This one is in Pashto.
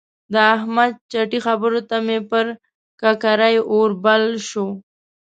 د احمد چټي خبرو ته مې پر ککرۍ اور بل شو.